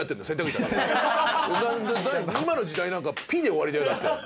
今の時代なんかピ！で終わりだよだって。